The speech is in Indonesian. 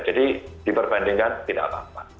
jadi diperbandingkan tidak apa apa